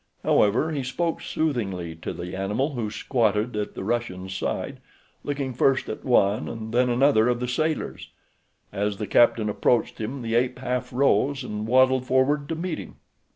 However, he spoke soothingly to the animal who squatted at the Russian's side looking first at one and then another of the sailors. As the captain approached him the ape half rose and waddled forward to meet him.